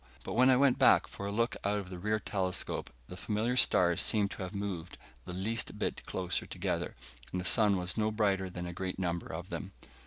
But when I went back for a look out of the rear telescope, the familiar stars seemed to have moved the least bit closer together, and the sun was no brighter than a great number of them.